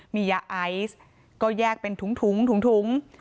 มียาไอซ์ก็แยกเป็นถุงถุง